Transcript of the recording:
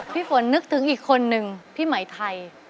พี่ฝนนึกถึงอีกคนนึงพี่ไหมไทย